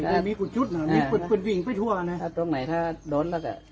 ยังรู้มีกุฏติจุดหรอมีคนผแล้วไหนถ้าโดนแล้วกัน